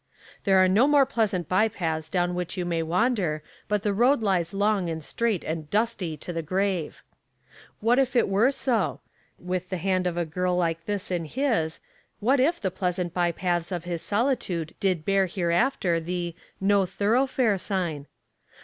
"There are no more pleasant by paths down which you may wander, but the road lies long and straight and dusty to the grave." What if it were so? With the hand of a girl like this in his, what if the pleasant by paths of his solitude did bear hereafter the "No Thoroughfare" sign?